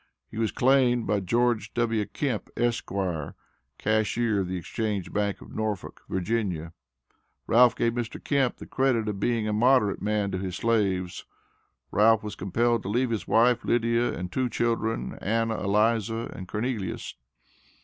He was claimed by Geo. W. Kemp, Esq., cashier of the Exchange Bank of Norfolk, Va. Ralph gave Mr. Kemp the credit of being a 'moderate man' to his slaves. Ralph was compelled to leave his wife, Lydia, and two children, Anna Eliza, and Cornelius."